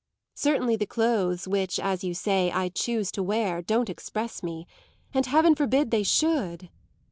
Certainly the clothes which, as you say, I choose to wear, don't express me; and heaven forbid they should!"